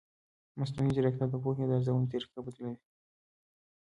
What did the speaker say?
مصنوعي ځیرکتیا د پوهې د ارزونې طریقه بدلوي.